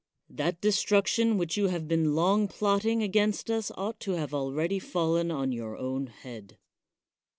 That destruction which you have been long plotting 94 CICERO against us ought to have already fallen on you own head.